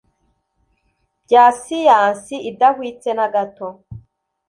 Bya siyansi idahwitse na gato